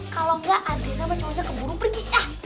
kalau gak adriana sama cowoknya keburu pergi